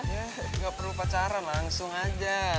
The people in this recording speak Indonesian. ya gak perlu pacaran langsung aja